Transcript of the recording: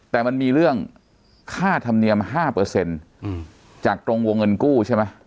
แต่มันมีเรื่องค่าธรรมเนียมห้าเปอร์เซ็นต์จากตรงวงเงินกู้ใช่ไหม